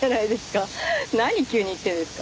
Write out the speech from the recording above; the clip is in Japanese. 何急に言ってるんですか。